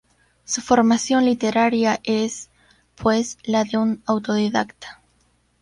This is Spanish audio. Su formación literaria es, pues, la de un autodidacta.